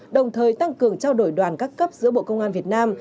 đồng thời tăng cường trao đổi đoàn các cấp giữa bộ công an việt nam